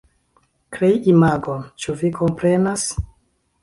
Krei imagon, ĉu vi komprenas?